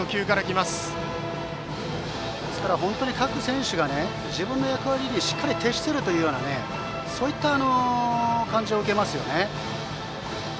本当に各選手が自分の役割にしっかり徹しているというような感じを受けますね。